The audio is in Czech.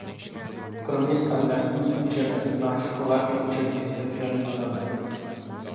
Kromě standardních učeben má škola i učebny specializované.